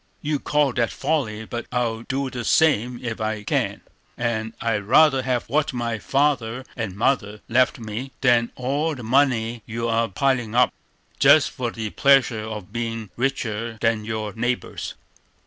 You call that folly; but I'll do the same if I can; and I'd rather have what my father and mother left me, than all the money you are piling up, just for the pleasure of being richer than your neighbors."